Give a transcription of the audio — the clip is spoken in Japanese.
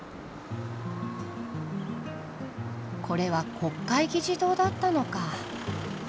これは国会議事堂だったのか。